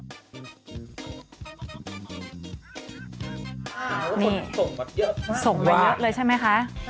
นี่ส่งมาเยอะมาก